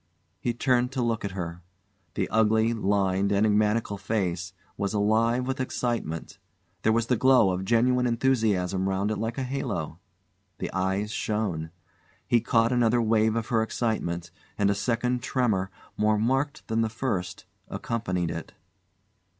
He turned to look at her. The ugly, lined, enigmatical face was alive with excitement. There was the glow of genuine enthusiasm round it like a halo. The eyes shone. He caught another wave of her excitement, and a second tremor, more marked than the first, accompanied it.